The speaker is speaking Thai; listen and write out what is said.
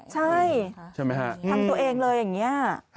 ใช่ไหมฮะทำตัวเองเลยอย่างนี้